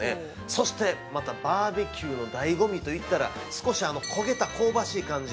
そして、またバーベキューの醍醐味といったら少し焦げた香ばしい感じ。